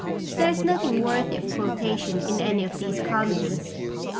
There is nothing worthy of quotation in any of these comedies.